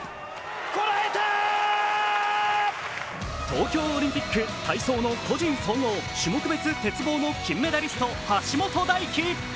東京オリンピック体操の個人総合種目別鉄棒の金メダリスト、橋本大輝。